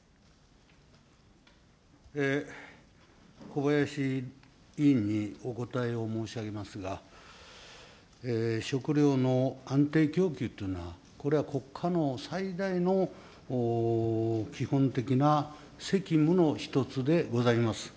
小林委員にお答えを申し上げますが、食料の安定供給というのは、これは国家の最大の基本的な責務の一つでございます。